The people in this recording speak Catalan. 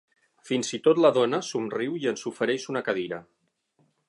Fins i tot la dona somriu i ens ofereix una cadira.